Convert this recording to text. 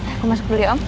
aku masuk dulu ya om